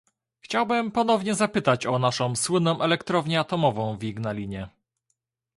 Chciałbym ponownie zapytać o naszą słynną elektrownię atomową w Ignalinie